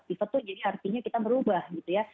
pivot itu jadi artinya kita merubah gitu ya